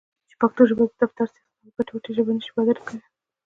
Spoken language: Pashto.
چې پښتو ژبه د دفتر٬ سياست او ګټې وټې ژبه نشي؛ وده نکوي.